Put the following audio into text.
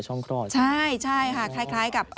จริงค่ะเนี่ยค่ะคล้ายกับ